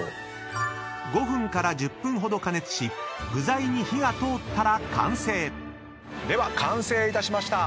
［５分から１０分ほど加熱し具材に火が通ったら完成］では完成いたしました。